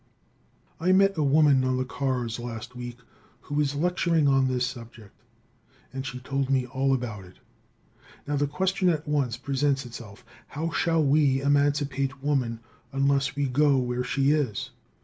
I met a woman on the cars last week who is lecturing on this subject, and she told me all about it. Now, the question at once presents itself, how shall we emancipate woman unless we go where she is?